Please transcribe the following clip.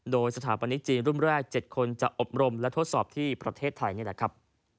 โดยสถาปนิกจีนรุ่นแรก๗คนจะอบรมและทดสอบที่ประเทศไทยนี่แหละครับ